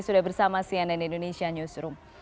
sudah bersama cnn indonesia newsroom